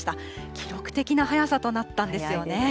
記録的な早さとなったんですよね。